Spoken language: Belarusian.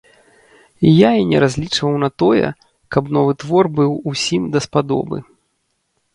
Я і не разлічваў на тое, каб новы твор быў усім даспадобы.